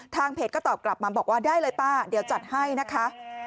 เพจก็ตอบกลับมาบอกว่าได้เลยป้าเดี๋ยวจัดให้นะคะ